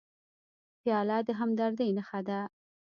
پیاله د همدردۍ نښه ده.